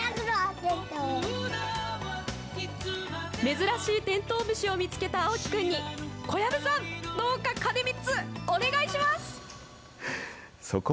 珍しいテントウムシを見つけた蒼貴くんに、小籔さん、どうか鐘３つ、お願いします。